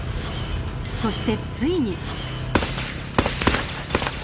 そしてついに。